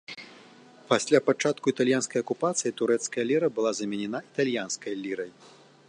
Пасля пачатку італьянскай акупацыі, турэцкая ліра была заменена італьянскай лірай.